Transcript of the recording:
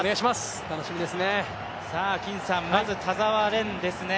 金さん、まず田澤廉ですね。